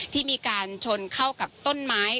ที่มีการชนเข้ากับต้นไม้